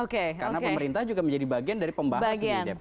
karena pemerintah juga menjadi bagian dari pembahasan